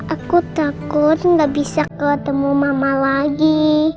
aku takut gak bisa ketemu mama lagi